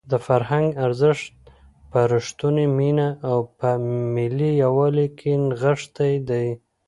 د فرهنګ ارزښت په رښتونې مینه او په ملي یووالي کې نغښتی دی.